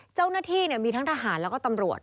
เจ้าหน้าที่มีทั้งทหารแล้วก็ตำรวจ